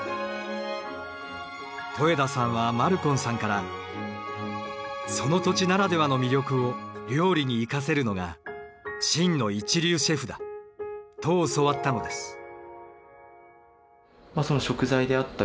戸枝さんはマルコンさんからその土地ならではの魅力を料理に活かせるのが真の一流シェフだと教わったのです。